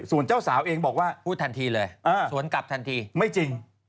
ส่วนเจ้าสาวเองบอกว่าพูดทันทีเลยสวนกลับทันทีไม่จริง